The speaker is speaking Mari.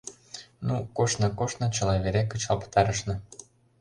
Ну, коштна, коштна, чыла вере кычал пытарышна.